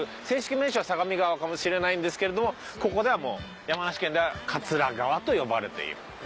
正式名称は相模川かもしれないんですけれどもここではもう山梨県では桂川と呼ばれている。